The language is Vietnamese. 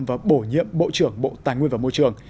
và bổ nhiệm bộ trưởng bộ tài nguyên và môi trường